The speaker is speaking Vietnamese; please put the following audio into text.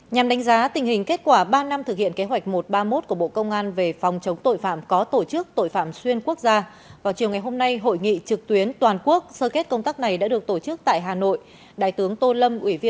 nhằm đánh giá tình hình kết quả ba năm thực hiện kế hoạch một trăm ba mươi một của bộ công an về phòng chống tội phạm có tổ chức tội phạm xuyên quốc gia vào chiều ngày hôm nay hội nghị trực tuyến toàn quốc sơ kết công tác này đã được tổ chức tại hà nội